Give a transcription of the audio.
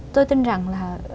tôi tin rằng là